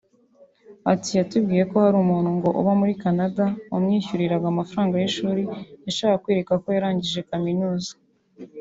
Ati “Yatubwiye ko hari umuntu ngo uba muri Canada wamwishyuriraga amafaranga y’ishuri yashakaga kwereka ko yarangije kaminuza